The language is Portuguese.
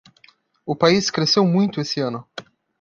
O país cresceu muito esse ano.